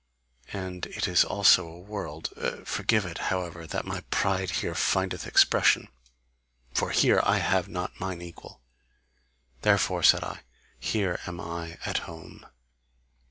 And it is also a world! Forgive it, however, that my pride here findeth expression, for here I have not mine equal. Therefore said I: 'here am I at home.